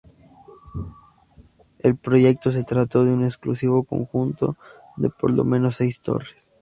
El proyecto se trató de un exclusivo conjunto de por lo menos seis torres.